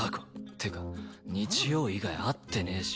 てか日曜以外合ってねえし。